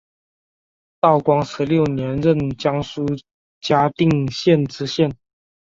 道光十六年任江苏嘉定县知县。